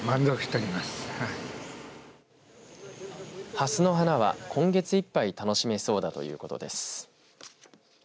ハスの花は今月いっぱい楽しめそうだということです。